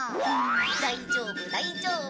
大丈夫大丈夫。